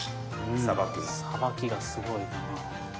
さばきがすごいな。